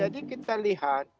jadi kita lihat